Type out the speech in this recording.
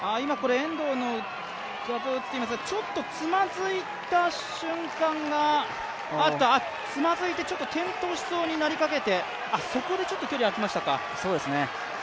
遠藤のちょっとつまずいた瞬間が、つまずいてちょっと転倒しそうになりかけて、そこでちょっと距離、開きましたか。